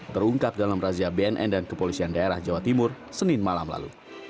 terungkap dalam razia bnn dan kepolisian daerah jawa timur senin malam lalu